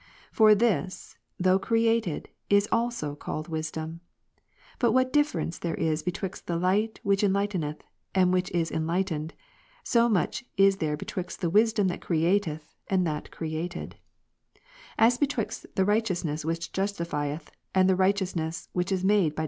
For this, though created, is also called wisdom. But what difference there is betwixt the Light which enlighteneth, and which is enlighten ed y, so much is there betwixt the Wisdom that createth, and [ that created; as betwixt the Righteousness which justifieth, and the righteousness which is made by justification.